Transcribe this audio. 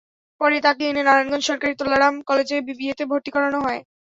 পরে তাঁকে এনে নারায়ণগঞ্জ সরকারি তোলারাম কলেজে বিবিএতে ভর্তি করানো হয়।